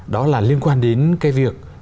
đó là liên quan đến cái việc